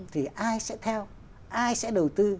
thì ai sẽ theo ai sẽ đầu tư